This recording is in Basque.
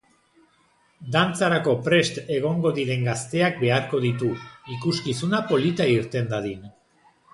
Dantzarako prest egongo diren gazteak beharko ditu, ikuskizuna polita irten dadin.